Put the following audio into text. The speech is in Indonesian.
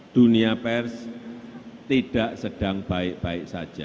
dunia pers tidak sedang baik baik saja